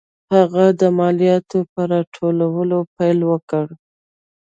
هغه د مالیاتو په راټولولو پیل وکړ.